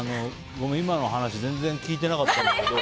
ごめん、今の話全然聞いてなかったんだけど